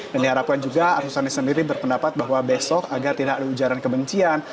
dan diharapkan juga arsosani sendiri berpendapat bahwa besok agar tidak ada ujaran kebencian